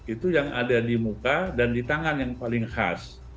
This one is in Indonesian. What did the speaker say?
itu yang ada di muka dan di tangan yang paling khas